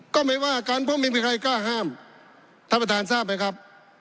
ก็ไม่ว่ากันเพราะไม่มีใครกล้าห้ามท่านประธานทราบไหมครับ